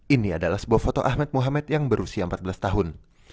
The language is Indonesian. ini adalah sebuah foto ahmad muhammad yang berusia empat belas tahun